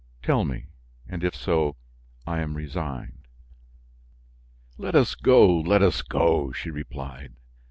Tell me, and if so, I am resigned." "Let us go, let us go!" she replied.